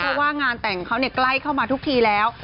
เพราะว่างานแต่งเขาใกล้เข้ามาทุกทีแล้ว